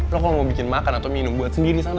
lo kalau mau bikin makan atau minum buat sendiri di sana